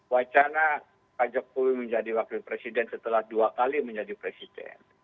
wacana pak jokowi menjadi wakil presiden setelah dua kali menjadi presiden